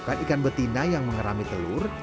ikan ikan betina yang mengerami telur